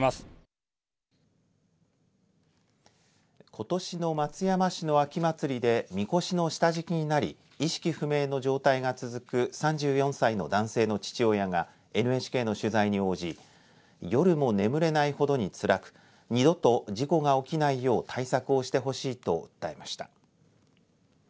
ことしの松山市の秋祭りでみこしの下敷きになり意識不明の状態が続く３４歳の男性の父親がＮＨＫの取材に応じ夜も眠れないほどにつらく二度と事故が起きないよう対策をしてほしいと訴えました。